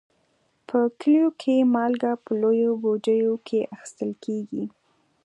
په کلیو کې مالګه په لویو بوجیو کې اخیستل کېږي.